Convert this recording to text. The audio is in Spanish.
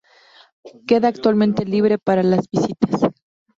Queda actualmente libre para las visitas.